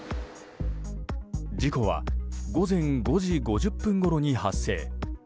事故は午前５時５０分ごろに発生。